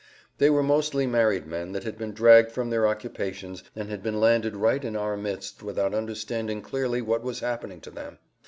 They were mostly married men that had been dragged from their occupations and had been landed right in our midst without understanding clearly what was happening to them.